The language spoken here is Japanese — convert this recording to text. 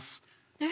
えっ？